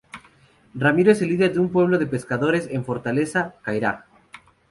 Ramiro es el líder de un pueblo de pescadores en Fortaleza, Ceará.